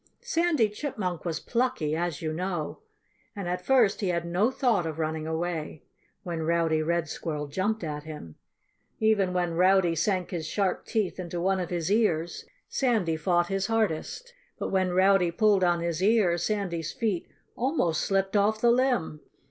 Sandy Chipmunk was plucky as you know. And at first he had no thought of running away, when Rowdy Red Squirrel jumped at him. Even when Rowdy sank his sharp teeth into one of his ears, Sandy fought his hardest. But when Rowdy pulled on his ear, Sandy's feet almost slipped off the limb.